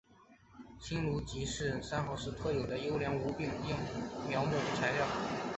香炉桔是汕尾市特有的优良无病苗木材料。